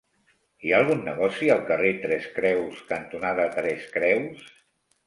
Hi ha algun negoci al carrer Tres Creus cantonada Tres Creus?